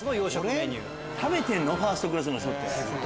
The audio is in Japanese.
これ食べてるの⁉ファーストクラスの人って。